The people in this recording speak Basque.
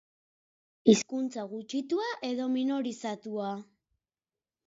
Hizkuntza gutxitua edo minorizatua?